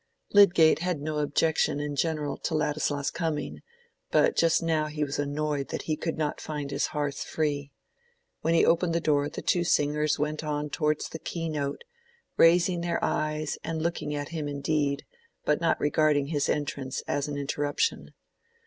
Lydgate had no objection in general to Ladislaw's coming, but just now he was annoyed that he could not find his hearth free. When he opened the door the two singers went on towards the key note, raising their eyes and looking at him indeed, but not regarding his entrance as an interruption.